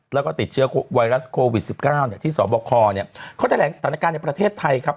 แล้วก็ติดเชื้อไวรัสโควิด๑๙ที่สบคเนี่ยเขาแถลงสถานการณ์ในประเทศไทยครับ